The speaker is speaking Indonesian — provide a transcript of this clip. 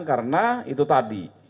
karena itu tadi